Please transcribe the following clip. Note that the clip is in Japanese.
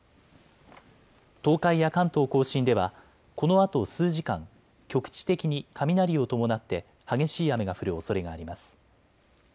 東海や関東甲信ではこのあと数時間、局地的に雷を伴って激しい雨が降るおそれがあります。